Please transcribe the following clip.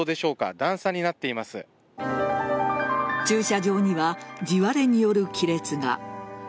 駐車場には地割れによる亀裂が。